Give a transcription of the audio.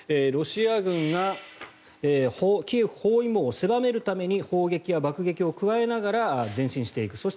ロシア軍がキエフ包囲網を狭めるために砲撃や爆撃を加えながら前進していく。